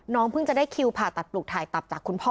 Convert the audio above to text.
เพิ่งจะได้คิวผ่าตัดปลูกถ่ายตับจากคุณพ่อ